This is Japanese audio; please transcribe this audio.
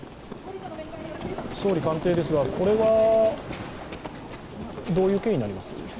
総理官邸ですがこれはどういう経緯になります？